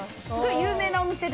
有名なお店で。